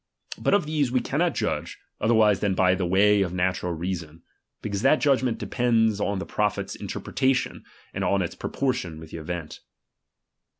But of these we caimot judge, otherwise than by the way of natural reason ; because that judg ment depends on the prophet's interpretation, and oE its proportion with the event.